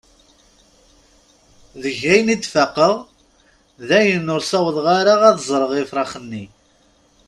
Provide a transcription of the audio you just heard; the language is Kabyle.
Deg ayen i d-faqeɣ, dayen ur ssawḍeɣ ara ad ẓreɣ ifrax-nni.